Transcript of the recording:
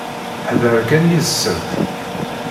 Hḍeṛ kan yid-sent.